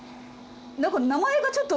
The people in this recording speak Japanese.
なんか名前がちょっと。